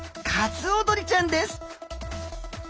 カツオドリちゃんです。